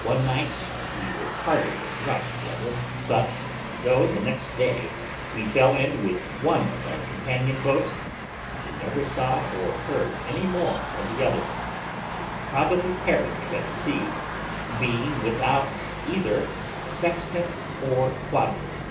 One night we were parted in rough weather; but though the next day we fell in with one of our companion boats, we never saw or heard any more of the other, which probably perished at sea, being without either sextant or quadrant.